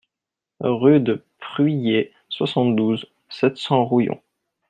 Rue de Pruillé, soixante-douze, sept cents Rouillon